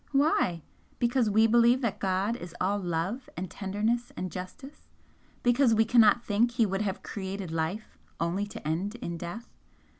"Why? Because we believe that God is all love and tenderness and justice? because we cannot think He would have created life only to end in death?